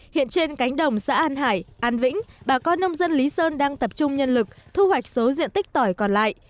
hiện trên cánh đồng xã an hải an vĩnh bà con nông dân lý sơn đang tập trung nhân lực thu hoạch số diện tích tỏi còn lại